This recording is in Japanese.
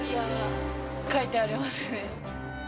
書いてありますね。